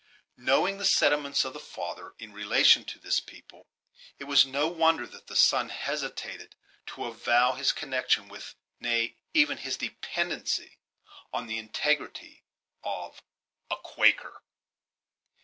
Knowing the sentiments of the father in relation to this people, it was no wonder that the son hesitated to avow his connection with, nay, even his dependence on the integrity of, a Quaker.